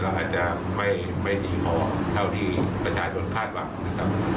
อาจจะไม่ดีพอเท่าที่ประชาชนคาดหวังนะครับ